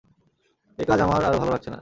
এ কাজ আমার আর ভাল লাগছে না।